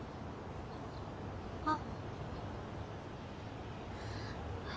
あっ。